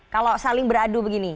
kalau saling beradu begini